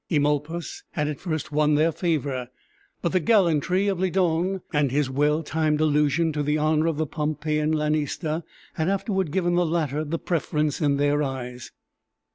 Eumolpus had at first won their favor; but the gallantry of Lydon, and his well timed allusion to the honor of the Pompeiian lanista, had afterward given the latter the preference in their eyes.